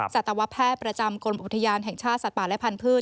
สัตวแพทย์ประจำกรมอุทยานแห่งชาติสัตว์ป่าและพันธุ์